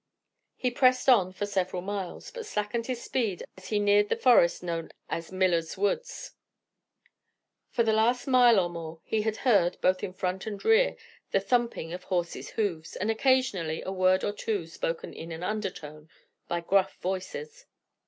He pressed on for several miles, but slackened his speed as he neared the forest known as Miller's Woods. For the last mile or more he had heard, both in front and rear, the thumping of horses' hoofs, and occasionally a word or two spoken in an undertone, by gruff voices.